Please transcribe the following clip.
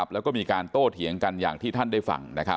แล้วก็มีการโต้เถียงกันอย่างที่ท่านได้ฟัง